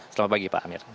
selamat pagi pak amir